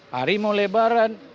hari mau lebaran